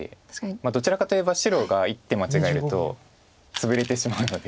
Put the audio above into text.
どちらかといえば白が一手間違えるとツブれてしまうので。